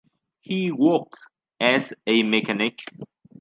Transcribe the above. He works as a mechanic.